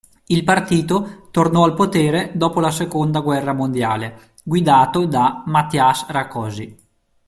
Il partito tornò al potere dopo la seconda guerra mondiale guidato da Mátyás Rákosi.